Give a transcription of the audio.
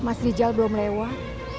mas rijal belum lewat